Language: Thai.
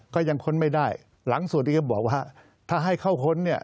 ก็ยังค้นไม่ได้หลังส่วนนี้ก็บอกว่าถ้าให้เข้าค้นเนี่ย